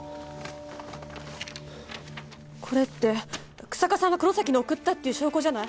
これって日下さんが黒崎に送ったっていう証拠じゃない？